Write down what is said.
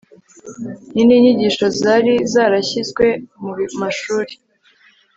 ni n'inyigisho zari zarashyizwe mu mashuri